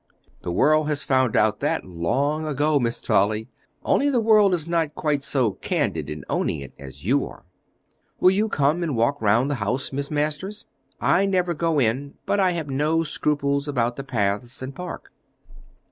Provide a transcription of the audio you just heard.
"The world has found out that long ago, Miss Dolly; only the world is not quite so candid in owning it as you are. Will you come and walk round the house, Miss Masters? I never go in, but I have no scruples about the paths and park."